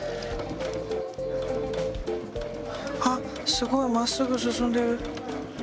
あすごいまっすぐ進んでる。